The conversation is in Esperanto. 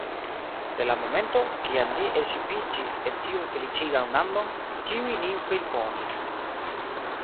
De la momento, kiam ni elŝipiĝis en tiun feliĉigan landon, ĉiuj nin friponis.